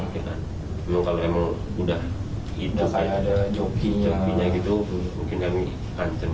kalau emang udah hidup jokinya gitu mungkin kami pancam